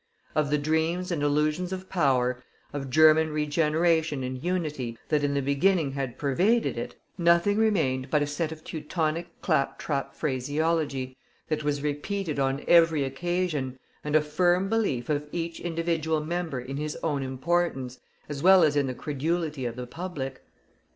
Of the dreams and illusions of power, of German regeneration and unity, that in the beginning had pervaded it, nothing remained but a set of Teutonic clap trap phraseology, that was repeated on every occasion, and a firm belief of each individual member in his own importance, as well as in the credulity of the public.